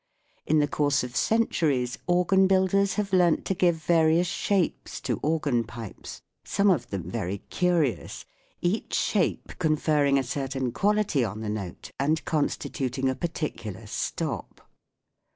In the course of centuries organ builders have learnt to give various shapes A FIG. 72. Primitive "reed" from Egypt. to organ pipes, some of them very curious, each shape conferring a certain quality on the note and constituting a particular " stop."